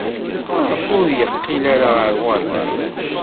Maɣef ur yeqqil ara ɣer uɣerbaz?